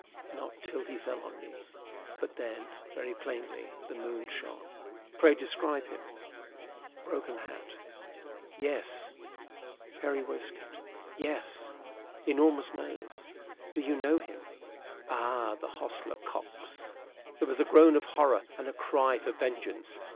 "Not till he fell on me. But then, very plainly. The moon shone." "Pray describe him." "Broken hat." "Yes." "Hairy waistcoat." "Yes." "Enormous nose." "Do you know him?" "Ay. The hostler, Cox." There was a groan of horror and a cry for vengeance.